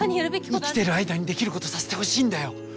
生きてる間にできることさせてほしいんだよ。